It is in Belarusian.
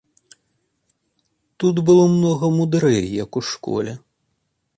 Тут было многа мудрэй, як у школе.